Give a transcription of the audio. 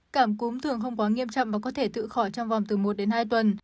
cảm cúm thường không quá nghiêm trọng và có thể tự khỏi trong vòng từ một đến hai tuần